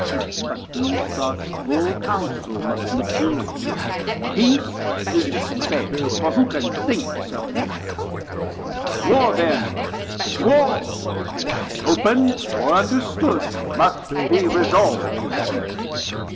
But these thoughts Full Counsel must mature: Peace is despaird, 660 For who can think Submission? Warr then, Warr Open or understood must be resolv'd.